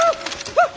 あっ！